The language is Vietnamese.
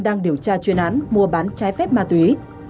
đang điều tra chuyên án mua bán trái phép ma túy